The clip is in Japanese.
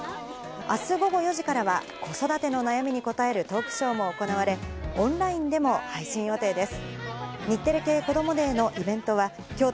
明日午後４時からは子育ての悩みに答えるトークショーも行われ、オンラインでも配信予定です。